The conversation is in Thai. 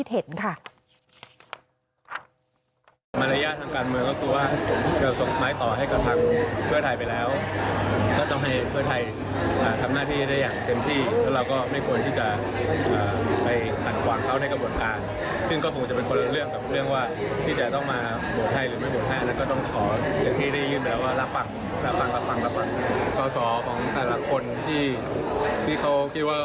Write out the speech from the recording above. สอบของแต่ละคนที่เขาคิดว่า